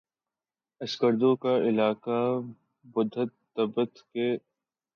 اسکردو کا علاقہ بدھت تبت کے ثقافتی شعبے کا ایک حصہ تھا